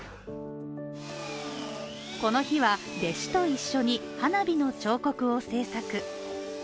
この日は弟子と一緒に花火の彫刻を制作。